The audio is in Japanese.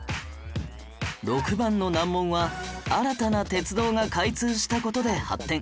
６番の難問は新たな鉄道が開通した事で発展